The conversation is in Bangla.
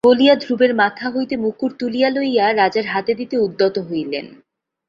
বলিয়া ধ্রুবের মাথা হইতে মুকুট তুলিয়া লইয়া রাজার হাতে দিতে উদ্যত হইলেন।